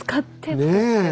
ねえ？